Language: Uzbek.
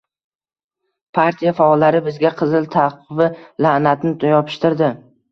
Partiya faollari bizga qizil «tavqi la’natni» yopishtirdi